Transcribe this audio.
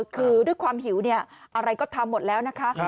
คือด้วยความหิวอะไรก็ทำหมดแล้วนะคะ